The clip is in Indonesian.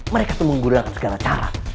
mereka tuh menggurangkan segala cara